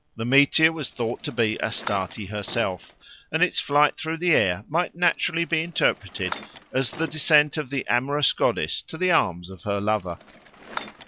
The meteor was thought to be Astarte herself, and its flight through the air might naturally be interpreted as the descent of the amorous goddess to the arms of her lover.